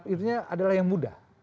itu adalah yang muda